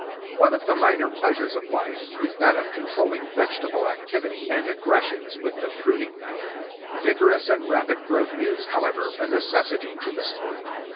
One of the minor pleasures of life is that of controlling vegetable activity and aggressions with the pruning knife. Vigorous and rapid growth is, however, a necessity to the sport.